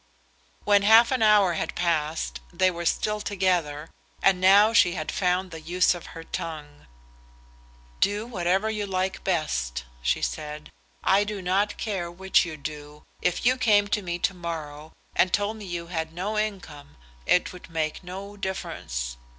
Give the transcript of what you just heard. When half an hour had passed, they were still together, and now she had found the use of her tongue. "Do whatever you like best," she said. "I do not care which you do. If you came to me to morrow and told me you had no income, it would make no difference.